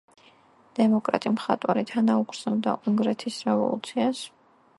დემოკრატი მხატვარი თანაუგრძნობდა უნგრეთის რევოლუციას.